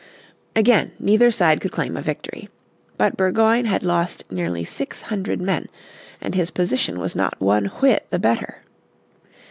Again neither side could claim a victory. But Burgoyne had lost nearly six hundred men, and his position was not one whit the better.